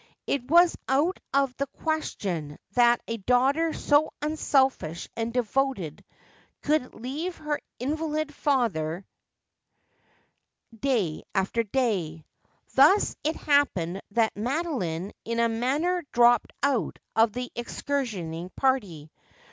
It was out of the question that a daughter so unselfish and devoted could leave her invalid father day after <l;iy. Thus it happened that Madolino in a manner dropped out of the excursionising party.